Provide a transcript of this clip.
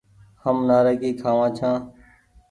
هم نآريگي کآوآن ڇآن ۔